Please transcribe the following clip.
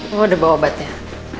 nih gue udah bawa obatnya